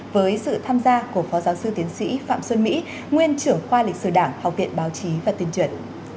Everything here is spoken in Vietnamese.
với sự tham gia của phó giáo sư tiến sĩ phạm xuân mỹ nguyên trưởng khoa lịch sử đảng học viện báo chí và tuyên truyền